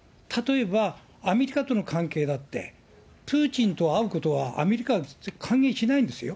例えばアメリカとの関係だって、プーチンと会うことは、アメリカは歓迎しないですよ。